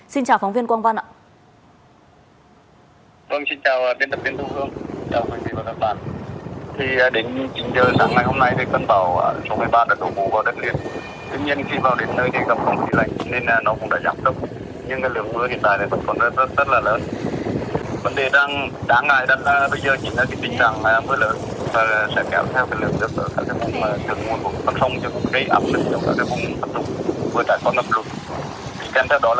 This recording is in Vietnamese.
xin chào phóng viên quang văn ạ